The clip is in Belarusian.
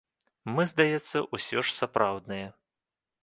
Мы, здаецца, усё ж сапраўдныя.